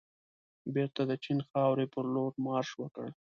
بېرته د چین خاورې پرلور مارش وکړ.